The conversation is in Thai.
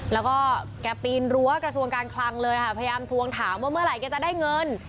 แล้วก็แกปีนรั้วกระทรวงการคลังเลยค่ะพยายามทวงถามว่าเมื่อไหร่แกจะได้เงิน